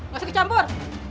mau ikut campur